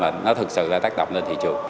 và nó thực sự đã tác động lên thị trường